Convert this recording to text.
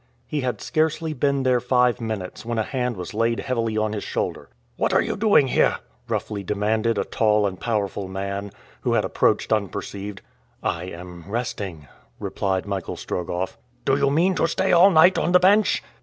He had scarcely been there five minutes when a hand was laid heavily on his shoulder. "What are you doing here?" roughly demanded a tall and powerful man, who had approached unperceived. "I am resting," replied Michael Strogoff. "Do you mean to stay all night on the bench?"